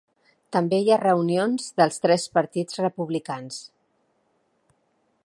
També hi ha reunions dels tres partits republicans.